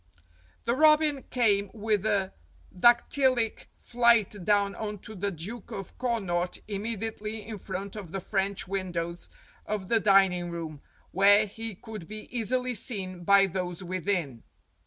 The robin came with a dactylic flight down on to the Duke of Connaught immediately in front of the French windows of the dining room, where he could be easily seen by those within.